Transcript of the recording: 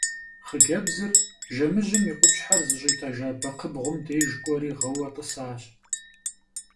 Xhıcebzır jjemıjım yi khupşher zış'it'ejja bekxhıbğum dêjj k'ueri ğıue t'ısaş.